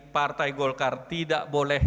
partai golkar tidak boleh